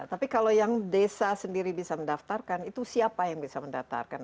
tapi kalau yang desa sendiri bisa mendaftarkan itu siapa yang bisa mendaftarkan